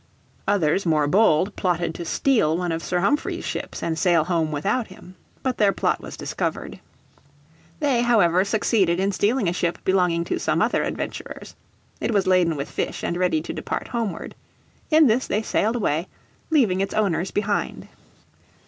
Others more bold plotted to steal one of Sir Humphrey's ships and sail home without him. But their plot was discovered. They, however, succeeded in stealing a ship belonging to some other adventurers. It was laden with fish and ready to depart homeward. In this they sailed away leaving its owners behind.